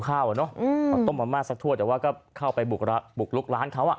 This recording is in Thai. เอาต้มปะมาสสักทั่วแต่ก็เข้าไปบุกลุกร้านเขาอ่ะ